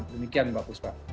demikian mbak yusuf pak